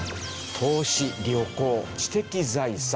投資旅行知的財産。